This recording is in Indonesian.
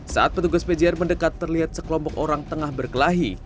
saat petugas pjr mendekat terlihat sekelompok orang tengah berkelahi